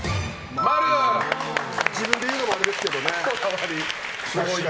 自分で言うのもあれですけど。